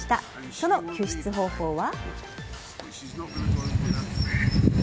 その救出方法は。